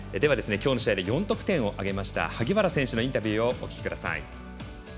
きょうの試合で４得点を挙げました萩原選手のインタビューをお聞きください。